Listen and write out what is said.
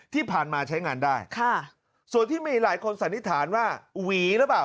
ที่ผ่านมาใช้งานได้ค่ะส่วนที่มีหลายคนสันนิษฐานว่าหวีหรือเปล่า